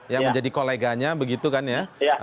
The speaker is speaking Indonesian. yang menjadi koleganya begitu kan ya